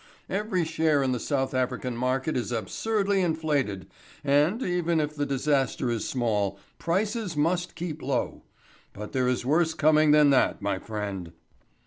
Every share in the South African market is absurdly inflated, and, even if the disaster is small, prices must keep low. But there is worse coming than that, my friend."